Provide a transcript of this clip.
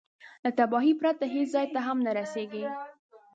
له تباهي پرته هېڅ ځای ته هم نه رسېږي.